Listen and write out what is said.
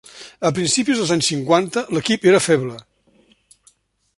A principis dels anys cinquanta, l'equip era feble.